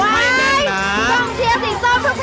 ให้แน่นน้ำ